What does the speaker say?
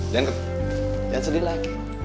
jangan sedih lagi